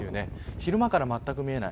昼間からまったく見えない。